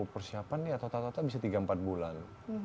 persiapan ya tata tata bisa tiga empat bulan